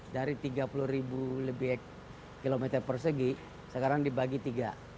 dari tiga puluh ribu lebih kilometer persegi sekarang dibagi tiga